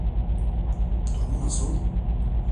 Durumu nasıI?